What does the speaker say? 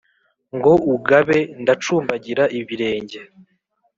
ngo ugabe, ndacumbagira ibirenge.